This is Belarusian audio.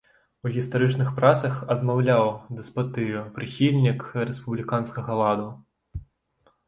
У гістарычных працах адмаўляў дэспатыю, прыхільнік рэспубліканскага ладу.